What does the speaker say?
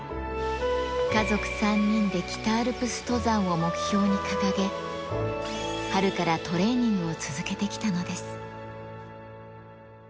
家族３人で北アルプス登山を目標に掲げ、春からトレーニングを続けてきたのです。